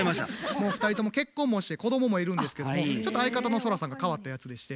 もう２人とも結婚もして子供もいるんですけどもちょっと相方の空さんが変わったやつでして。